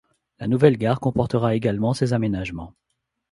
La nouvelle gare comportera également ces aménagements.